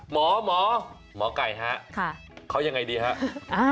มมหมอไก่ฮะเขายังไงดีฮะ